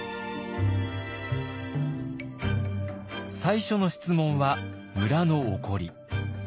最初の質問は村の起こり。